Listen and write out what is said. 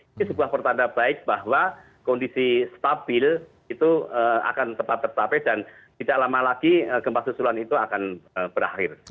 ini sebuah pertanda baik bahwa kondisi stabil itu akan tetap tercapai dan tidak lama lagi gempa susulan itu akan berakhir